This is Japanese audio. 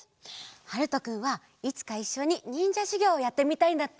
はるとくんはいつかいっしょににんじゃしゅぎょうをやってみたいんだって！